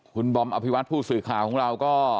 คุณบอมอภิวัตผู้สื่อข่าวของเราก็